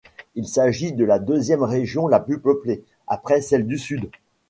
Il s'agit de la deuxième région la plus peuplée, après celle du Sud.